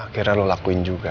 akhirnya lo lakuin juga